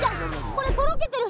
これとろけてる！